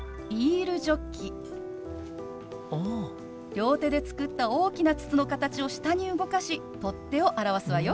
両手で作った大きな筒の形を下に動かし取っ手を表すわよ。